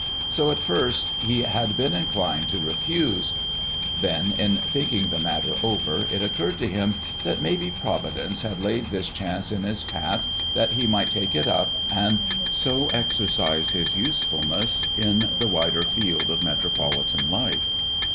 So at first he had been inclined to refuse; then, in thinking the matter over, it occurred to him that maybe Providence had laid this chance in his path that he might take it up and so exercise his usefulness in the wider field of metropolitan life.